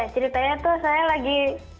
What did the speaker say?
ya ceritanya itu saya lagi